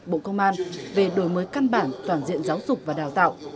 bộ công an về đổi mới căn bản toàn diện giáo dục và đào tạo